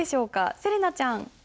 せれなちゃん。